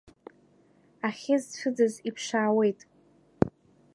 Ахьы зцәыӡыз иԥшаауеит…